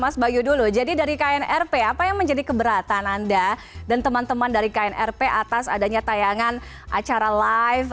mas bayu dulu jadi dari knrp apa yang menjadi keberatan anda dan teman teman dari knrp atas adanya tayangan acara live